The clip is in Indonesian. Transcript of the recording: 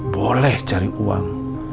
boleh cari uang